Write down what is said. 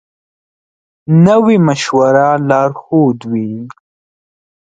نوی مشوره لارښود وي